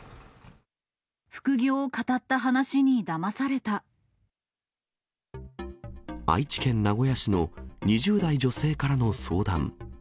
副業をかたった話にだまされ愛知県名古屋市の２０代女性からの相談。